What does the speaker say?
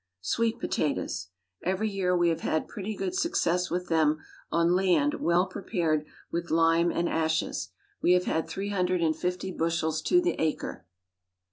SWEET POTATOES. Every year we have had pretty good success with them on land well prepared with lime and ashes. We have had three hundred and fifty bushels to the acre.